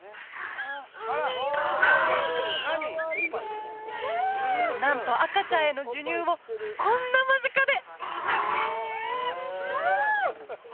かわいいなんと赤ちゃんへの授乳をこんな間近で！